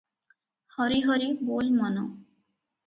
'ହରି ହରି ବୋଲ ମନ' ।